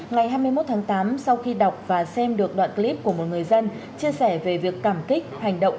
ngày hai mươi một tháng tám sau khi đọc và xem được đoạn clip của một người dân chia sẻ về việc cảm kích hành động